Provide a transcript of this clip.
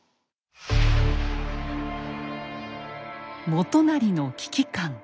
元就の危機感。